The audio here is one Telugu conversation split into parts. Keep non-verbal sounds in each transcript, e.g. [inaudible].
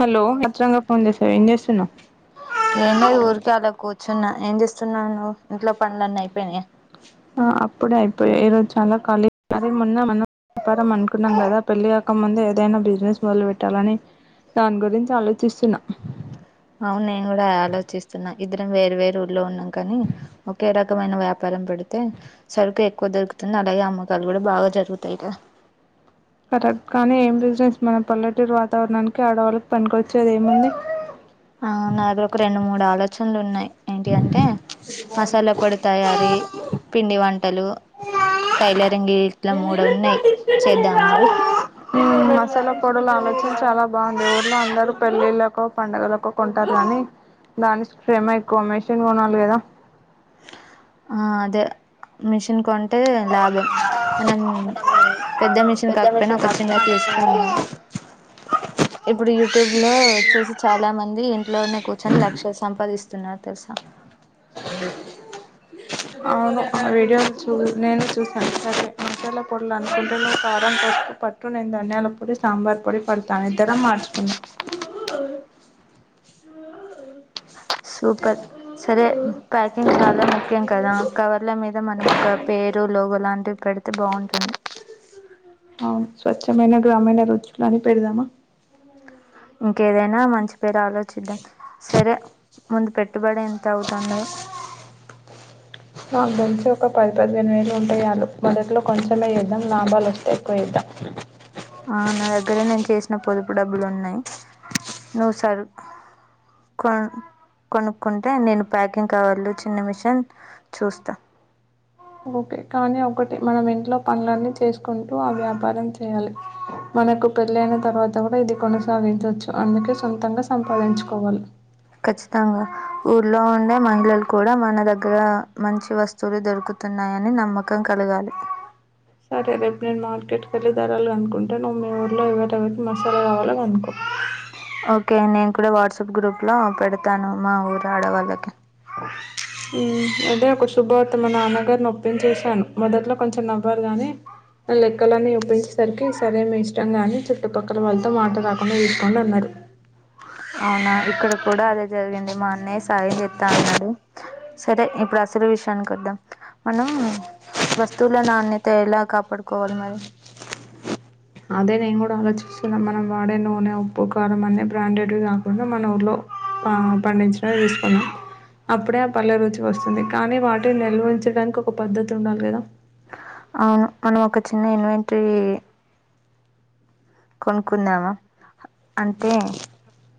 హలో అత్రరంగా ఫోన్ చేసావా ఏం చేస్తున్నావు న్నా ఏం చేస్తున్నా నువ్వు ఇంట్లో పనులన్నీ అయిపోయినాయి ఆ అప్పుడే అయిపోయాయి ఈరోజు చాలా ఖాళీ అది మొన్న మనం వ్యాపారం అనుకున్నాం కదా పెళ్ళి అవక ముంద ఏదైనా బిజినెస్ మొదలు పెట్టాలని దాని గురించి ఆలోచిస్తున్నా అవును నేను కూడా ఆలోచిస్తున్నా ఇద్దరం వేరు వేరు ఊళ్లో ఉన్నాం కానీ ఒకే రకమైన వ్యాపారం పెడితే సరుకు ఎక్కువ దొరుకుతుంది అలాగే అమ్మకాలు కూడా బాగా జరుగుతాయిగ కరెక్ట్ కానీ ఏం బిజినెస్ మన పల్లెటూరు వాతావరణానికి ఆడవాళ్ళకి పనికొచ్చే ఏది ఏముంది ఆ నా దగ్గర రెండు మూడు ఆలోచన చనాలు ఉన్నాయి ఏంటి అంటే మసాలా పొడి తయారీ పిండి వంటలు టైలరింగ్ ఇట్ల మూడు ఉన్నాయి చేద్దామా అవి ఉమ్, మసాలా పొడుల ఆలోచన చాలా బావుంది ఊర్లో అందరూ పె పెళ్ల్ళళ్ళలకు పండుగలకు కొంటారు కాని దాని శ్రమ ఎక్కు ఇంకో మిషిన్ కొనాలి కదా ఆ అదే మిషిన్ కొం అంటే లాభం మనం పెద్ద మిషన్ కాకపోయినా ఒక చిన్నది తీసుకున్దాం ఇప్పుడు యూట్యూబ్ లో వచ్చేసి చాలా మంది ఇంట్లోనే కూర్చొని లక్షలు సంపాదిస్త తున్నారు తెలుసా అలి అవును వీడియో నేను చూశాను మసాలా పొడిలు అనుకుంటే కారం పసుకు పట్టు నేను ధనియాల పొడి సాంబార్ పొడి పడతాను ఇద్దడం మార్చుకుద్దాం సూపర్ సరే ప్యాకింగ్ చాలా ముఖ్యం కద కవర్ల మీద మనం ఒక పేరు లోగో లాంటిది పెడితే బావుంటుంది అవును స్వచ్ఛమైన గ్రామీణ రుచులని పెడదామా ఇంకేదైనా మంచి పేరు ఆలోచిద్దాం సరే ముందు పెట్ పెట్టుబడి ఎంత అవుతుందో నాకు తెల్సి ఒక పది పదిహేను వేళలు ఉంటేయాళ మొదట్లో కొంచెమే చేద్దాం లాభాలు వస్తే ఎక్కువ చేద్దాం నా దగ్గరే నేను చేసిన పొదుపు డబ్బులు ఉన్నాయి నువ్వు సరు కొను కొనుక్కుంటే నేను ప్యాకింగ్ కావాాల చిన్న మిషన్ చూస్తా ఓకే కానీ ఒకటి మనం ఇంట్లో పనులన్నీ చేసు కుంటూ ఆ వ్యాపారం చేయాలి మనకు పెళ్ళ అయిన తర్వాత కూడా ఇది కొనసాగించవచ్చు అందుకే సొంతంగా సంపాదించుకోవాలి ఖచ్చితంగా ఊ లో ఉండే మహిళలు కూడా మన దగ్గర మంచి వస్తువులు దొరుకుతున్నాయని నమ్మకం కలగాలి సరే రేపు నేను మార్కెట్కి వెళ్ళి ధరాలి అనుకుంటే నువ్వు మీ ఊర్లో ఎవరిెవరికి మసాలా కావాలో అనుకో ఓకే నేను కూడా వాట్సాప్ గ్రూప్ లో పెడతాను మా ఊరు ఆడవాళ్ళకి అదే ఒక శుభార్త మా నాన్నగారి నొప్పిం చేసాను మొదట్లో కొంచెం నవ్వరు గాని అ లెక్కలనే ఉ పోయి సరికి ఈ సరే మీ ఇష్టం గాని ఇట్టు పక్కల వెళ్ళతో మాట రాకుండ చూసుకోండి అన్నారు అవునా ఇక్కడ కూడా అదే జరిగింది మా అన్నయ్య సాయం తెత్త అన్నడు సరే ఇప్పుడు అసలు విషయానికి కద్దాం మనం వస్తువుల నాణ్యత ఎలా కాపాడుకోవాలి మరి అదే నేన్ కూడ ఆలోచి అసలు మనం వాడే నూనె ఉప్పు కారం అనే బ్రాండెడ్ కాకుండా మన ఊళ్లో పండించ యూస్ పం అప్పుడే అప్పు పల్లె రుచి వస్తుంది కానీ వాటిని నిల్వించడానికి ఒక పద్ధతి ఉండాలి కదా అవును మనం ఒక చిన్న ఇన్వెంటరీ కొనుక్కుందామా అంటే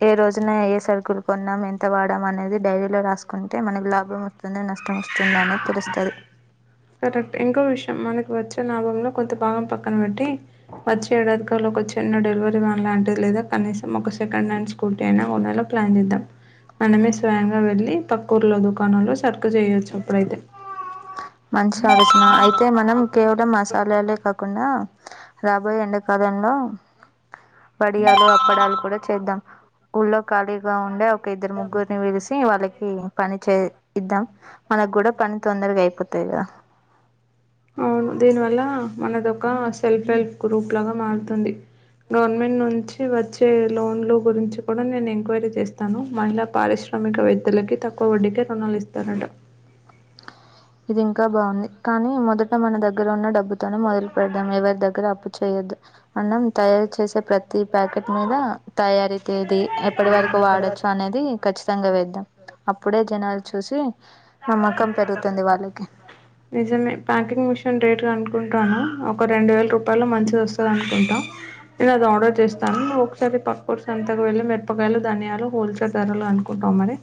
ఏ రోజున ఏ సరుకులు కొన్నాం ఎంత వాడాం అనేది డైరీలో రాసుకుంటే మనకి లాభం వస్తుంద నష్ట కరెక్ట్ ఎంగ విషయంం మనకు వచ్చ జనాభంలో కొంత భాగం పక్కన పెట్టి వచ్చే ఏడాదిగాలో ఒక చిన్న డెలివరీ వ్యాన్ లాంటిది లేదా కనీసం ఒక సెకండ్ హ్యాండ్ స్కూటీ అయినా కొండలో ప్లాన్ చేద్దాం మనమే స్వయంగా వెళ్ళి పక్కూర్లో దుకాణాల్లో సరుకు చేయవచ్చు అప్పుడైతే మంచి ఆలోచన అయితే మనం కేవలం మసాలాలే కాకుండా రాబోయే ఎండకాలంలో వడియాలు అప్పడాలు కూడా చేద్దాం ఊళ్ళ ఖాళీగా ఉండే ఇద్దరు ముగ్గురుని విరిసి వాళ్ళకి పని చే ఇద్దాం మనకు కూడా పని తొందరగా అయి [unintelligible] అవును దీని వల్ల మనదొక సెల్ఫ్ హెల్ప్ గ్రూప్ లాగా మారుతుంది గవర్నమెంట్ నుంచి వచ్చే మానదొక సెల్ఫ్ వెల్ గవర్నమెంట్ నుండి వచ్చే లోన్లు గురించి కూడా నేను ఎంక్వైరీ చేస్తాను మహిళ పారిశ్రామిక వేత్తలకు తక్కువ వడ్డీకే రుణాలు ఇస్తానట ఇది ఇంకా బాగుంది కానీ మొదట మన దగ్గర ఉన్న డబ్బుతోనే మొదలు పడదం ఎవరి దగ్గర అప్పు చేయొద్దు అన్నం తయారు చేసే ప్రతి ప్యాకెట్ మీద తయారీ ది ఎప్పటి వరకు వాడొచ్చు అనేది ఖచ్చితంగా వేద్దాం అప్పుడే జనాలు చూసి నమ్మకం కదూ నిజమే ప్యాకింగ్ మిషన్ రే అనుకుంటాను ఒక రెండు వేల రూపాయలు మంచి వస్తది అనుకుంట నేను అది ఆర్డర్ చేస్తాను నువ్ ఒకసారి పక్క కొర్ సంతకు వెళ్ళి మిరపకాయలు ధనియాలు హోల్సే ధరలు అనుకుంటాం మరి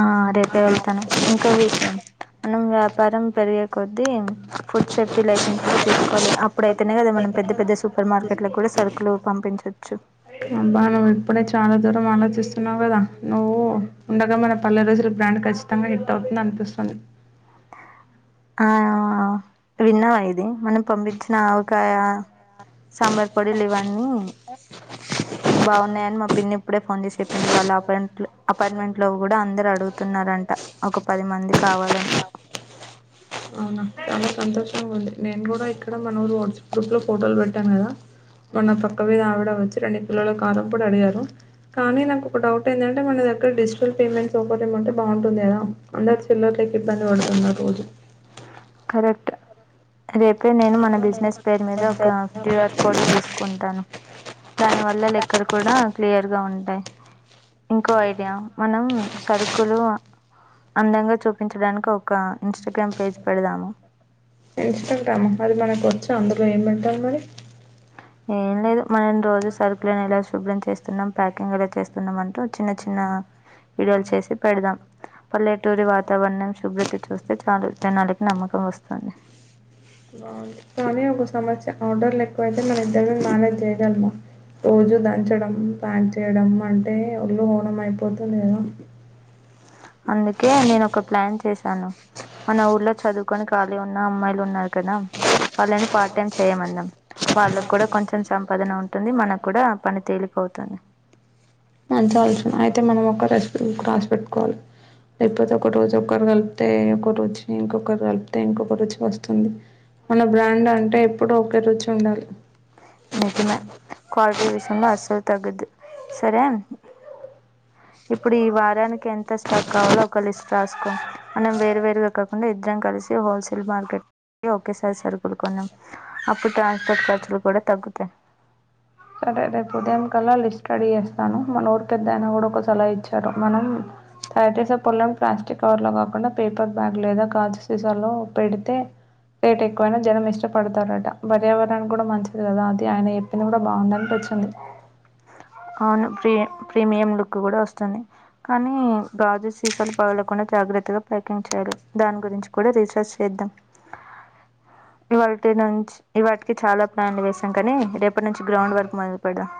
ఆ రేపే వెళ్తాను ఇంకో విషయం మనం వ్యాపారం పెరిగేకో ది ఫుడ్ సేఫ్టీ లైసెన్స్ కూడా తీసుకోవాలి అప్పుడైతేనే కదా మనం పెద్ద పెద్ద సూపర్ మార్కెట్ కూడా సరుకులు పంపించవచ్చు అబ్బా నువ్వు ఇప్పుడే చాలా దూరం ఆలోచిస్తున్నా కదా నువ్వు ఉండగా మన పల్లె ర బ్రాండ్ఖచ్చతంగా హిట్ అవుతుంది అనిపిస్తుంది ఆ విన్నావా ఇది మనం పంపించిన ఆవకాయ సాంబార్ పొడి ఏ లేెవాని బాగున్నాయండి మా పిన్ని ఇప్పుడే ఫోన్ చేసి చెప్పింది వాళ్ళ అపార్ట్మెంట్ లో కూడ అందరు అడుగుతున్నారంట ఒక పది మంది కావాలని అవునా చాలా సంతోషంగా ఉంది నేను కూడా ఇక్కడ మన ఊరు వాట్సాప్ గ్రూప్లో ఫోటోలు పెట్టాను కదా మొన్న పక్క వీధి ఆవిడ వచ్చి రెండు కిల్లో కారం కూడా అడిగారు కానీ నాకు ఒక డౌట్ ఏంటంటే మన దగ్గర డిజిటల్ పేమెంట్ సౌకర్యమ అంటే బాగుంటుంది కదా అందరు చిల్లర లేక ఇబ్బంది పడుతున్నారు రోజు [inaudible] కరెక్ట్ రేపే నేను మన బిజినెస్ పేరు మీద ఒక క్యూఆర్ కోడ్ తీసుకుంటాను దాని వల్ల లెక్కలు కూడా క్లియర్ గా ఉంటాయి ఇంకో ఐడియా మనం సరుకులు అందంగా చూపించడానికి ఒక ఇన్స్టాగ్రామ్ పేజ్ పెడదాము ఇన్స్టాగ్రమ్ ఆ అది మనకోచ్ అందులో ఎం పెట్టాలి మరి ఏం లేదు మనం రోజు సరుకులను ఎలా శుభ్రం చేస్తున్నాం ప్యాకింగ్ ఎలా చేస్ తున్నామంటూ చిన్న చిన్న వీడియోలు చేసి పెడదాం పల్లె ట్టూరి వాతావరణం శుభ్రత చూస్తే చాలు జనాలకి నమ్మకం వస్తది బావుంది. కానీ ఒక సమస్య ఆర్డర్లు ఎక్కువైతే మనం ఇద్దరము మ్యనేజ్ చేయగలమా రోజు దంచడం ప్యాక్ చేయడం అంటే ఒళ్ళు ఊనం అయిపోతుంది కదా అందుకే నేనొక ప్లాన్ చేశాను మన ఊర్లో చదువుకొని ఖాళీ ఉన్న అమ్మాయిలు ఉన్నారు కదా వాళ్ళని పార్ట్ టైమ్ చేయమందాం వాళ్ళకి కూడా కొంచెం సంపాదన ఉంటుంది మనకు కూడా పని తేలికవుతుంది మంచి ఆలోచన అయితే మనం ఒక రెస్ రాసి పెట్టుకోవాలి లేకపోతే ఒక రోజు ఒక్కరు కలిపితే ఒక రుచి ఇంకొకరు కలిపితే ఇంకొక రుచి వస్తుంది మన బ్రాండ్ అంటే ఎప్పుడు ఒకే రుచి ఉండాలి నిజమే క్వాలిటీ విషయంలో అసలు తగ్గద్దు సరే ఇప్పుడు ఈ వారానికి ఎంత స్టాక్ కావాలో ఒక లిస్ట్ రాసుకో మనం వేరువేరుగా కాకుండా ఇద్దరం కలిసి హోల్సేల్ మార్కెట్కి ఒకేసారి సరుకులుకొందాం అప్పుడు ట్రాన్స్పోర్ట్ ఖర్చులు కూడా తగ్గుతాయి సరే రేపు ఉదయం కల్లా లిస్ట్ రడీ చేస్తాను మన ఊరు పెద్ద ఆయన కూడా ఒక సలహా ఇచ్చారు మనం తయారు చేసే పొలం ప్లాస్టిక్ కవర్ లో కాకుండా పేపర్ బ్యాగ్ లేదా కాజు సీసా లో పెడితే రేట్ ఎక్కువైనా జనం ఇష్టపడతారట పర్యావరణ కూడా మంచిది కదా అది ఆయన చెప్పింది కూడా బాగుందనిపించింది అవును ప్రీ ప్రీమియం లుక్ కూడా వస్తుంది కానీ గాజు సీసలు పగలకుండా జాగ్రత్తగా ప్యాకింగ్ చేయాలి దాని గురించి కూడా రీచార్జ్ చేద్దాం ఇవాల్టి నుంచి ఇవాటికి చాలా ప్లాన్లు వేసాం కానీ రేపటి నుంచి గ్రౌండ్ వరకు మొదలుపెడుదాం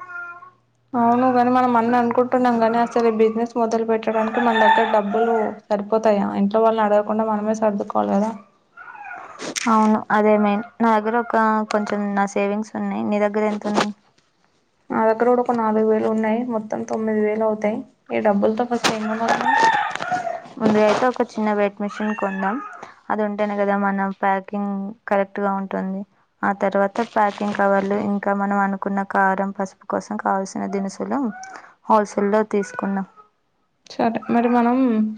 అవును గని మనం అన్న అనుకుంటున్నాం కాని అసలు ఈ బిజినెస్ మొదలు పెట్టడానికి మన దగ్గర డబ్బులు సరిపోతాయా ఇంట్లో వాళ్ళని అడగకుండా మనమే సర్దుకోవాలి కదా అవును అదే మెయిన్ నాదగ్గర ఒక కొంచెం నా సేవింగ్స్ ఉన్నాయి నీ దగ్గర ఎంతున్నాయి నా దగ్గర కూడా ఒక నాలుగు వేలు ఉన్నాయి మొత్తం తొమ్మిది వేలు అవుతాయి ఈ డబ్బులతో ఫస్ట్ ఎం కొనాలి మనం ముందుగా అయితే ఒక చిన్న వెయిట్ మిషిన్ కొందాం అది ఉంటేనే కదా మనం ప్యాకింగ్ కరెక్టుగా ఉంటుంది ఆ తర్వాత ప్యాకింగ్ కవర్లు ఇంకా మనం అనుకున్న కారం పసుపు కోసం కావల్సిన దినుసులు హోల్సేల్ లో తీసుకుందాం సరే మరి మనం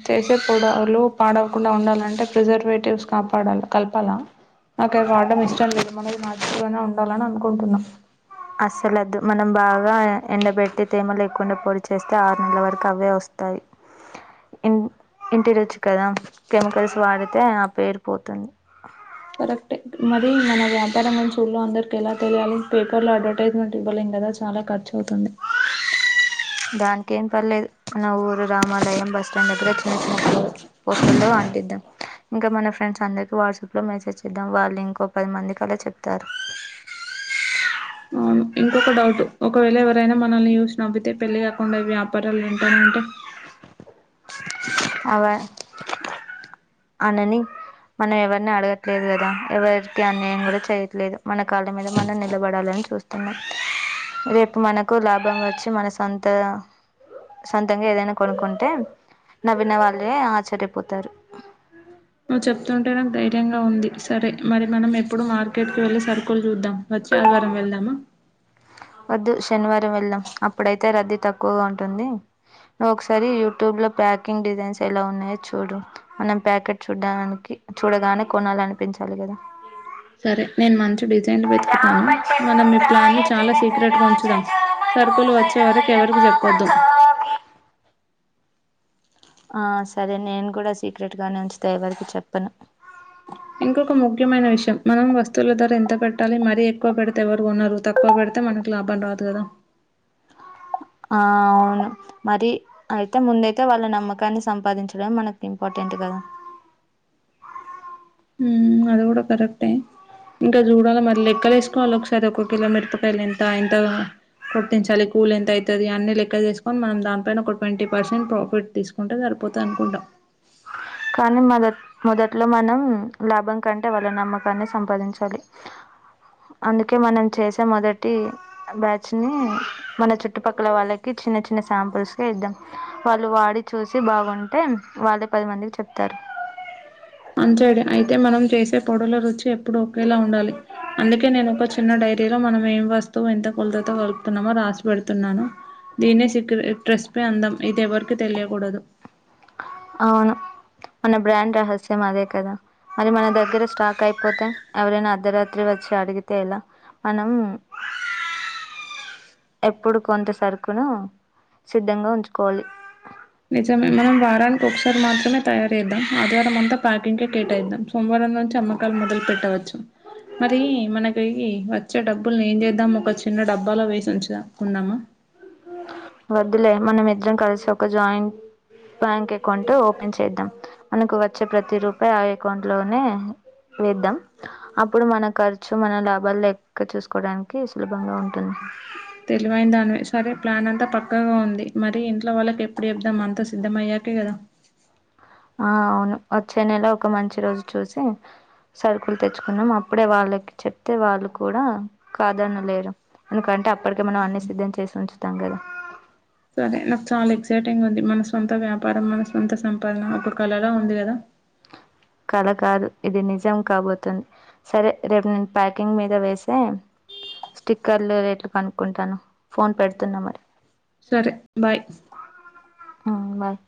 చేసే పొడలు పాడవకుండా ఉండాలంటే ప్రిజర్వేటివ్స్ కాపాడాల కలపాలా నాకవి వాడం ఇష్టం లేదు మనది నార్చురల్ గానే ఉండాలని అనుకుంటున్నా అస్సలోదు మనం బాగా ఎండబెట్టి తేమలేకుండా పొడి చేస్తే ఆరు నెలల వరకు అవే వస్తాయి ఇన్ ఇంటిరుచి కదా కెమికల్స్ వాడితే ఆ పేరు పోతుంది కరెక్టే ఏ మరి మన వ్యాపారంలో చూడలో అందరికి ఎలా తెలియాలి పేపర్లో అడ్వర్టైజ్మెంట్ ఇవ్వలేం కదా చాలా ఖర్చు అవుతుంది దాని కెన్ పర్లేదు మన ఊరు రామాలయం బస్ స్టాండ్ దగ్గర చిన్న చిన్న పో పోస్టర్లు అంటిద్దాం ఇంకా మన ఫ్రెండ్స్ అందరికి వాట్సాప్ లో మెసేజ్ చేద్దాం వాళ్ళు ఇంకో పది మందికలా చెప్తారు అవును ఇంకొక డౌట్ ఒకవేళ ఎవరైనా మనల్ని చూసి నవ్వితే పెళ్ళి కాకుండా వ్యాపారాలు ఏంటనంటే అవ అనని మనం ఎవరిని అడగట్లేదు కదా ఎవరికి అన్యాయం కూడా చేయట్లేదు మన కాళ్ళ మీద మనం నిలబడాలని చూస్తున్నాం రేపు మనకు లాభంగా వచ్చి మన సొంత సొంతంగా ఏదైనా కొనుకుంటే నవ్వన వాళ్ళే ఆశ్చర్యపోతారు నువ్వు చెప్తుంటే నాకు ధైర్యంగా ఉంది సరే మరి మనం ఎప్పుడు మార్కెట్కి వెళ్ళి సరుకులు చూద్దాం వచ్చే ఆదివారం వెళ్దామా వద్దు శనివారం వెళ్దాం అప్పుడైతే రద్దీ తక్కువగా ఉంటుంది నువ్వుఒక్కసారి యూట్యూబ్ లో ప్యాకింగ్ డిజైన్స్ ఎలా ఉన్నాయో చూడు మనం ప్యాకెట్ చూడడానికి చూడగానే కొనాలనిపించాలి కదా సరే నేను మంచి డిజైన్లు వెతుకుతాను మనం మీ రామచంద్రాయ ప్లాన్ని చ చాలా సీక్రెట్గా ఉంచుదాం సరుకులు వచ్చే వరకు జనకరాజామనోహరాయ ఎవరికి చెప్పొద్దు మామకామి ఆ సరే నేను కూడా సీక్రెట్ గానే ఉంచ ఇంకొక ముఖ్యమైన విషయం మనం వస్తువుల ధర ఎంత పెట్టాలి మరీ ఎక్కువ పెడితే ఎవరు కొనరు తక్కువ పెడితే మనకు లాభం రాదు కదా ఆ అవును మరి అయితే ముందైతే వాళ్ళ నమ్మకాన్ని సంపాదించడం మనకి ఇంపార్టెంట్ గదా ఉమ్ అది కూడా కరెక్ట్ ఏ ఇంకా జూడాల మరలే లేక పోతే లెక్కలేసుకొని ఒకసారి ఒక కిలో మిరపకాయలు ఎంత ఎంత కొట్టించాలి కూలి ఎంత అవుతుంది అన్నీ లెక్క చేసుకొని మనం దానిపైన ఒక ట్వంటీ పర్సెంట్ ప్రాఫిట్ తీసుకుంటే సరిపోతుంది అనుకుంటా కానీ మొద మొదట్లో మనం లాభం కంటే వాళ్లనమ్మకాన్ని సంపాదించాలి ఆ అందుకే మనం చేసే మొదటి బ్యా మన చుట్టుపక్కల వాళ్ళకి చిన్న చి శాంపిల్స్ ఇద్దాం వాళ్లు వాడి చూస్తే బాగుంటే వాళ్లే పదిమందికి చెప్తా చెప్తారు మంచోడు అయితే మనం చేసే పొడుల రుచి ఎప్పుడు ఒకేలా ఉండాలి అందుకే నేను ఒక చిన్న డైరీలో మనం ఏం వస్తువు ఎంత కులతతో కలుపుతున్నామో రాసి పెెడుతున్నాను దీన్ని సీక్రెట్ రెసిపీ అందాం ఇది ఎవరికి తెలియకూడదు అవును మన బ్రాండ్ రహస్యం అదే కదా మరి మన దగ్గర స్టాక్ అయిపోతే ఎవరైనా అర్ధరాత్రి వచ్చి అడిగితే ఇలా మనం ఎప్పుడు కొంత సరుకును సిద్ధంగా ఉంచుకోవాలి నిజమే మనం వారానీకి కొసారి మాత్రమే తయారు చేద్దాం ఆదివారం అంతా ప్యాకింగ్ కి కేటాయిద్దాం సోమవారం నుంచి చమ్మకాలు మొదలు పెట్టవచ్చు మరి మనకి వచ్చే డబ్బుల్ని ఏం చేద్దాం ఒక చిన్న డబ్బాలో వేసి ఉంచుకుందమా వద్దులే మనమిద్దరం కలిసి ఒక జాయింట్ బ్యాంక్ అకౌంట్ ఓపెన్ చేద్దాం మనకు వచ్చే ప్రతి రూపాయి ఆ అకౌంట్ లోనే వేద్దాం అప్పుడు మన ఖర్చు మన లాభాలు లెక్క చూసుకోవడానికి సులభంగా ఉంటుంది తెలివైన దానివే సరే ప్లాన్ అంతా పక్కాగా ఉంది మరి ఇంట్లో వాళ్ళకి ఎప్పుడు చెప్దాం అంతా సిద్ధం అయ్యాకే కదా ఆ అవును వచ్చే నెల ఒక మంచి రోజు చూసి సరుకులు తెచ్చుకున్నాం అప్పుడే వాళ్ళకి చెప్తే వాళ్ళు కూడా కాదనలేరు ఎందుకంటే అప్పటికే మనం అన్ని సిద్ధం చేసి ఉంచు తగద సరే నాకు చాలా ఎక్సైటింగ్ మన సొంత వ్యాపారం మన సొంత సంపాదన ఒక కళలా ఉంది కదా కల కాదు ఇది నిజం కాబోతుంది సరే రేపు నేను ప్యాక్ గ్ మీద వేసే స్టిక్కర్లు రేట్లు కనుక్కుంటాను ఫోన్ పెడుతున్నా మరి సరే బాయ్ హు బాయ్